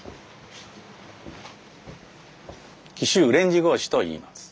紀州連子格子といいます。